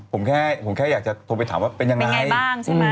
ผมแค่ผมแค่อยากจะโทรไปถามว่าเป็นยังไงบ้างใช่ไหม